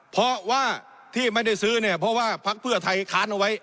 เพราะว่าที่ไม่ได้ซื้อเนี่ยเพราะว่าพักเพื่อไทยค้านเอาไว้